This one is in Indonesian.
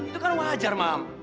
itu kan wajar mam